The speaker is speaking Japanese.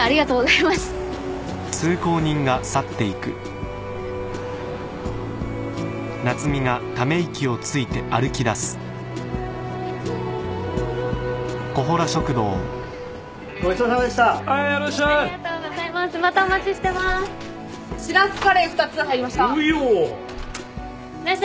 ・いらっしゃいませ。